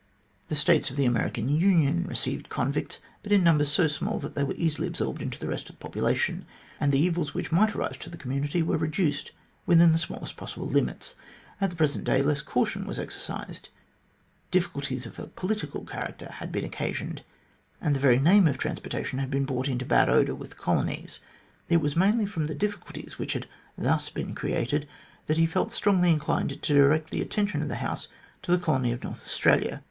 The States of the American Union received convicts, but in numbers so small that they were easily absorbed in the rest of the population, and the evils which might arise to the community were re duced within the smallest possible limits. At the present day less caution was exercised, difficulties of a political character had been occasioned, and the very name of transportation had been brought into bad odour with the colonies. It was mainly from the difficulties which had thus been created that he felt strongly inclined to direct the attention of the House to the colony of North Australia.